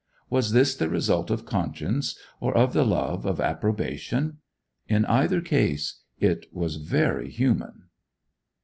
Was this the result of conscience, or of the love of approbation? In either case, it was very human.